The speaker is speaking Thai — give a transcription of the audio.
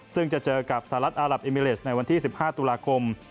ซึ่งจะเจอกับสหรัฐอารับเอมิเลสในวันที่๑๕ตุลาคม